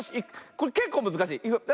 これけっこうむずかしい。